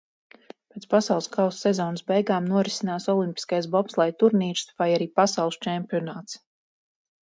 Pēc pasaules kausa sezonas beigām norisinās olimpiskais bobsleja turnīrs vai arī pasaules čempionāts.